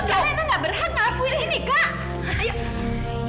kak lena gak berhati hati maafin ini kak